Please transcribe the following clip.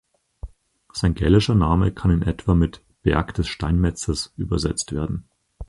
Sein gälischer Name kann in etwa mit "Berg des Steinmetzes" übersetzt werden.